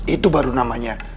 itu baru namanya